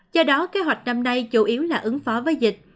do đó kế hoạch năm nay chủ yếu là ứng phó với dịch